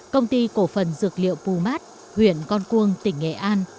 công ty cổ phần dược liệu pumat huyện con cuông tỉnh nghệ an